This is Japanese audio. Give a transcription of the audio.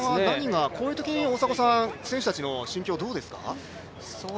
こういうとき、選手たちの心境はどうですか？